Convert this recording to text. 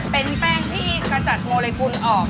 เป็นแป้งที่ขจัดโมเลกุลออก